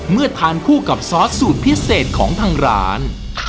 เมื่อทานคู่กับซอสสูตรพิเศษของทางร้าน